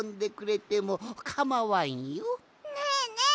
ねえねえ